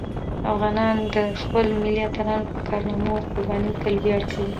افغانان د خپلو ملي اتلانو په کارنامو او قربانیو تل ویاړ کوي.